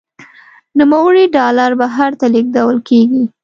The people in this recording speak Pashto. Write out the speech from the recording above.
نوموړي ډالر بهر ته لیږدول کیږي.